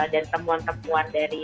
dan temuan temuan dari